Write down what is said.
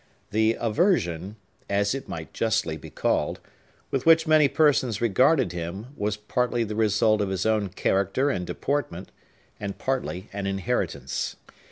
The aversion (as it might justly be called) with which many persons regarded him was partly the result of his own character and deportment, and partly an inheritance.